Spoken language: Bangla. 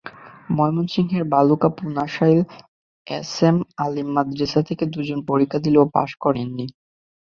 ময়মনসিংহের ভালুকার পুনাশাইল এসএম আলিম মাদ্রাসা থেকে দুজন পরীক্ষা দিলেও পাস করেননি।